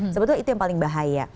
sebetulnya itu yang paling bahaya